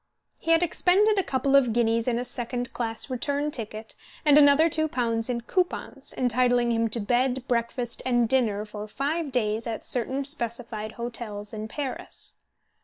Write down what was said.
He had expended a couple of guineas in a second class return ticket, and another two pounds in "coupons," entitling him to bed, breakfast, and dinner for five days at certain specified hotels in Paris.